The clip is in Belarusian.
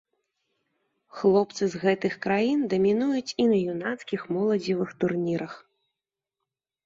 Хлопцы з гэтых краін дамінуюць і на юнацкіх, моладзевых турнірах.